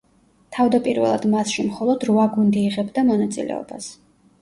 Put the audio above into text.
თავდაპირველად მასში მხოლოდ რვა გუნდი იღებდა მონაწილეობას.